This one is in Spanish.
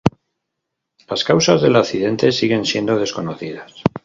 Las causas del accidente siguen siendo desconocidas.